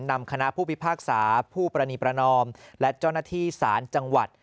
นำคณะผู้พิพากษาผู้ปรณีประนอมและเจ้าหน้าที่ศาลจังหวัด